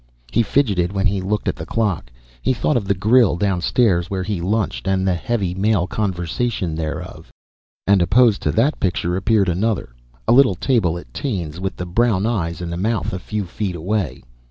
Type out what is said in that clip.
He fidgeted when he looked at the clock; he thought of the grill down stairs where he lunched and the heavy male conversation thereof, and opposed to that picture appeared another; a little table at Taine's with the brown eyes and the mouth a few feet away.